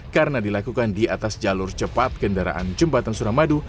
karena dilakukan di atas jalur cepat kendaraan jembatan suramadu